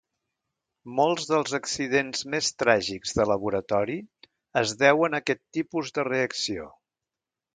Molts dels accidents més tràgics de laboratori es deuen a aquest tipus de reacció.